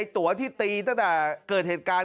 ตัวที่ตีตั้งแต่เกิดเหตุการณ์